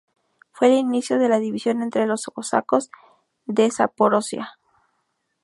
Fue el inicio de la división entre los cosacos de Zaporozhia.